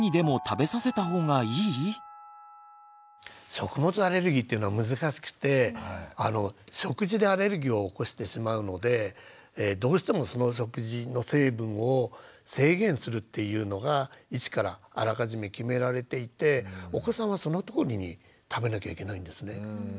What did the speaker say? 食物アレルギーっていうのは難しくて食事でアレルギーを起こしてしまうのでどうしてもその食事の成分を制限するっていうのが一からあらかじめ決められていてお子さんはそのとおりに食べなきゃいけないんですね。